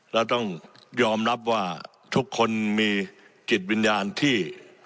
แล้วต้องยอมรับว่าทุกคนมีจิตวิญญาณที่